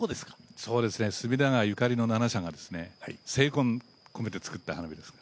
そうですね、隅田川ゆかりの７社が精魂込めて作った花火です。